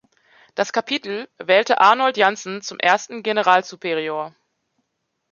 Das Kapitel wählte Arnold Janssen zum ersten Generalsuperior.